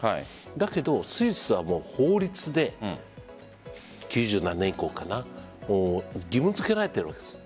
だけどスイスは法律で９０何年以降義務付けられているわけです。